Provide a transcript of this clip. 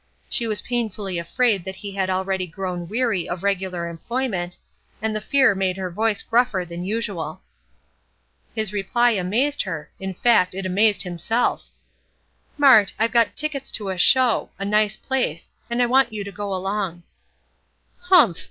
She was painfully afraid that he had already grown weary of regular employment, and the fear made her voice gruffer than usual. His reply amazed her; in fact, it amazed himself: "Mart, I've got tickets to a show, a nice place, and I want you to go along." "Humph!"